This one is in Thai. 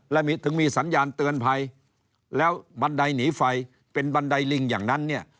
และถึงมีสัญญาณเตือนภัยแล้วบันไดหนีไฟเป็นบันไดลิงอย่างนั้นเนี่ย